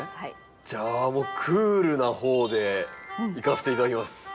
じゃあクールな方でいかせて頂きます。